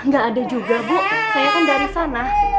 nggak ada juga bu saya kan dari sana